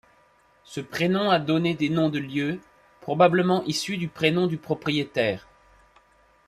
Ce prénom a donné des noms de lieux, probablement issu du prénom du propriétaire.